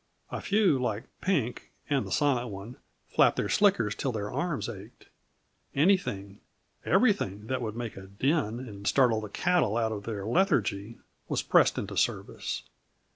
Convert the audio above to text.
A few, like Pink and the Silent One, flapped their slickers till their arms ached. Anything, everything that would make a din and startle the cattle out of their lethargy, was pressed into service.